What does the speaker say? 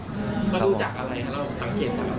ก็ดูจากอะไรครับแล้วสังเกตสักอย่าง